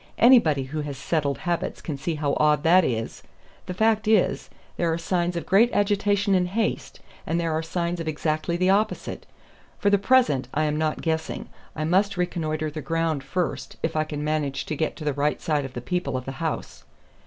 Anybody who has settled habits can see how odd that is. The fact is, there are signs of great agitation and haste, and there are signs of exactly the opposite. For the present I am not guessing. I must reconnoiter the ground first, if I can manage to get the right side of the people of the house."